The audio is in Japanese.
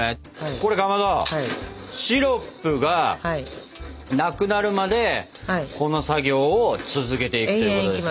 これかまどシロップがなくなるまでこの作業を続けていくということですね。